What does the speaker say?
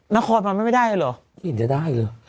น้าคอมาไม่ได้หรือไม่ได้หรือ